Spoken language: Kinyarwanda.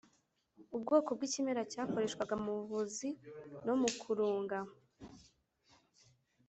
ubwoko bw ikimera cyakoreshwaga mu buvuzi no mu kurunga